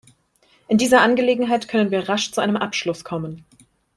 In dieser Angelegenheit können wir rasch zu einem Abschluss kommen.